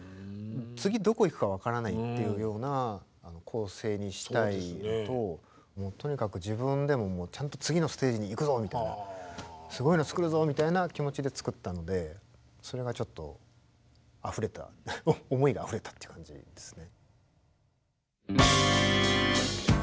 次どこ行くか分からないっていうような構成にしたいのととにかく自分でもちゃんと次のステージに行くぞみたいなすごいの作るぞみたいな気持ちで作ったのでそれがちょっとあふれた思いがあふれたっていう感じですね。